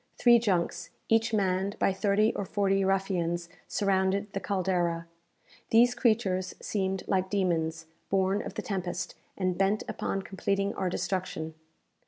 Three junks, each manned by thirty or forty ruffians, surrounded the "Caldera." These creatures seemed like demons, born of the tempest, and bent upon completing our destruction.